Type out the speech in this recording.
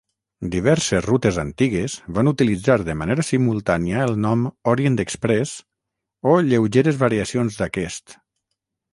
Diverses rutes antigues van utilitzar de manera simultània el nom Orient Express, o lleugeres variacions d'aquest.